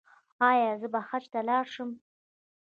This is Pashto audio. ایا زه به حج ته لاړ شم؟